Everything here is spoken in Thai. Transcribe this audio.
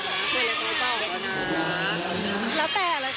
ก็ตามนั้นแหละค่ะแต่ว่าก็ต้องดูไปเรื่อยเนอะ